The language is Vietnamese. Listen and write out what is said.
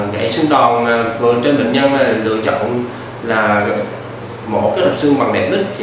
gãy xương đòn trên bệnh nhân lựa chọn là mổ kết hợp xương bằng đẹp đích